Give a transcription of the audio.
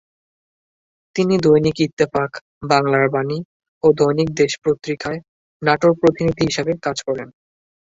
তিনি দৈনিক ইত্তেফাক, বাংলার বাণী ও দৈনিক দেশ পত্রিকায় নাটোর প্রতিনিধি হিসেবে কাজ করেন।